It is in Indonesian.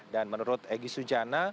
dan menurut egy sujana